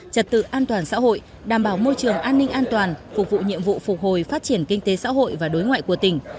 trật tự an toàn xã hội đảm bảo môi trường an ninh an toàn phục vụ nhiệm vụ phục hồi phát triển kinh tế xã hội và đối ngoại của tỉnh